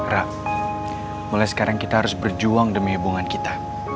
rak mulai sekarang kita harus berjuang demi hubungan kita